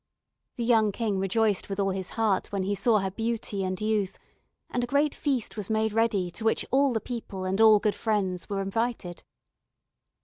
The young King rejoiced with all his heart when he saw her beauty and youth, and a great feast was made ready to which all the people and all good friends were invited.